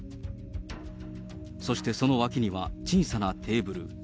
そしてその脇には、小さなテーブル。